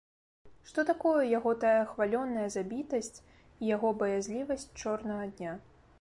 Што такое яго тая хвалёная забітасць і яго баязлівасць чорнага дня?